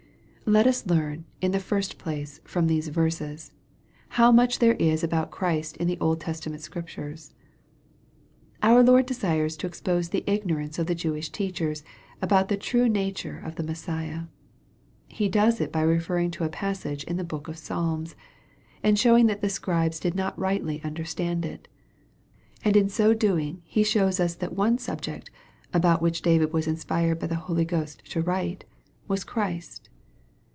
Let us learn, in the first place, from these verses, how much there is about Christ in the Old Testament Scriptures. Our Lord desires to expose the ignorance of the Jewish teachers about the true nature of the Messiah. He does it by referring to a passage in the book of Psalms, and showing that the Scribes did not rightly understand it. And in so doing He shows us that one subject, about which David was inspired by the Holy Ghost to write, was Christ.